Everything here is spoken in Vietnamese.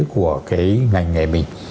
của cái ngành nghề mình